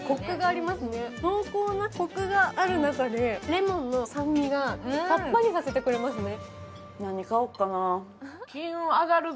濃厚なコクがある中で、レモンの酸味がさっぱりさせてくれますね。